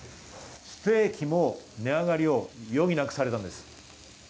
実はステーキも値上がりを余儀なくされたんです。